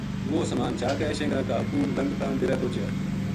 وہ سامان چا کے شنگراں کا اُپروں لنگتا ڈیرے پوہچیا